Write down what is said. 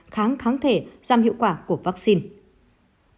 kháng kháng thể giam hiệu quả của vaccine